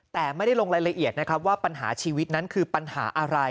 แต่ไม่ได้ลงรายละเอียดนะครับว่าปัญหาชีวิตนั้นคือปัญหาอะไร